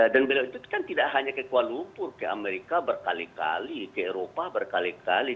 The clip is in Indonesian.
dan beliau itu kan tidak hanya ke kuala lumpur ke amerika berkali kali ke eropa berkali kali